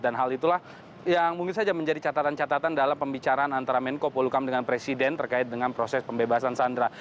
dan hal itulah yang mungkin saja menjadi catatan catatan dalam pembicaraan antara menko poluhukam dengan presiden terkait dengan proses pembebasan sandera